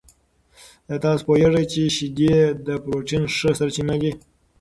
آیا تاسو پوهېږئ چې شیدې د پروټین ښه سرچینه دي؟